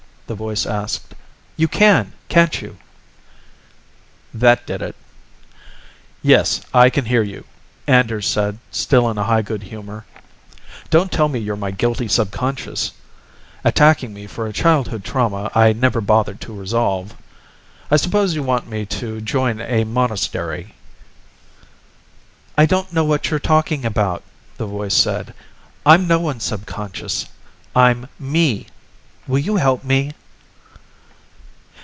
the voice asked. "You can, can't you?" That did it. "Yes, I can hear you," Anders said, still in a high good humor. "Don't tell me you're my guilty subconscious, attacking me for a childhood trauma I never bothered to resolve. I suppose you want me to join a monastery." "I don't know what you're talking about," the voice said. "I'm no one's subconscious. I'm me. Will you help me?"